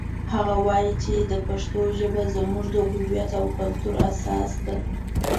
هغه وایي چې د پښتو ژبه زموږ د هویت او کلتور اساس ده